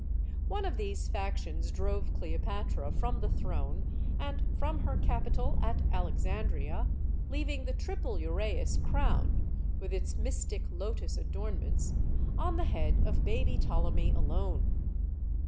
One of these factions drove Cleopatra from the throne and from her capital at Alexandria, leaving the "triple Uraeus crown," with its mystic lotus adorn ments, on the head of baby Ptolemy alone.